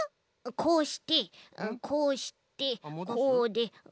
こうしてこうしてこうでこうして。